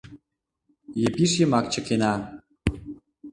Епиш йымак чыкена.